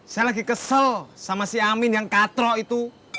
saya lagi kesel sama si amin yang katrok itu